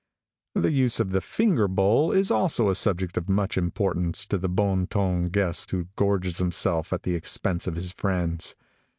The use of the finger bowl is also a subject of much importance to the bon ton guest who gorges himself at the expense of his friends.